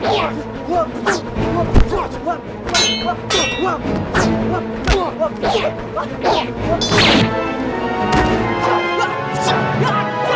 sampai jumpa lagi